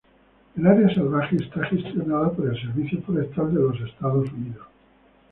El área salvaje es gestionada el Servicio Forestal de los Estados Unidos.